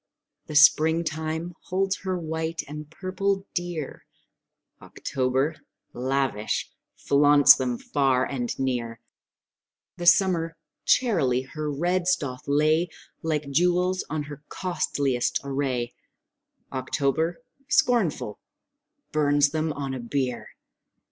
The spring time holds her white and purple dear; October, lavish, flaunts them far and near; The summer charily her reds doth lay Like jewels on her costliest array; October, scornful, burns them on a bier.